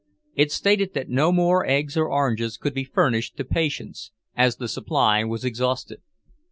It stated that no more eggs or oranges could be furnished to patients, as the supply was exhausted.